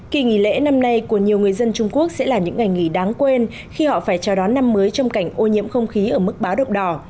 kỳ nghỉ lễ năm nay của nhiều người dân trung quốc sẽ là những ngày nghỉ đáng quên khi họ phải chào đón năm mới trong cảnh ô nhiễm không khí ở mức báo động đỏ